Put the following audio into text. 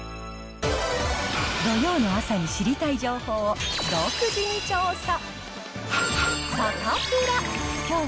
土曜の朝に知りたい情報を独自に調査。